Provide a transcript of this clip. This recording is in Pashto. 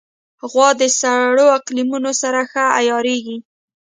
غوا د سړو اقلیمونو سره ښه عیارېږي.